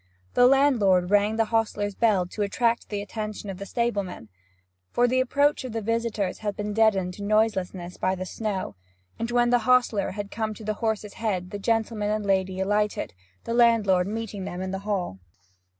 The landlord rang the hostler's bell to attract the attention of the stable man, for the approach of the visitors had been deadened to noiselessness by the snow, and when the hostler had come to the horse's head the gentleman and lady alighted, the landlord meeting them in the hall.